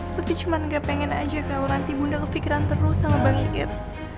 tapi cuma gak pengen aja kalau nanti bunda kepikiran terus sama bang iget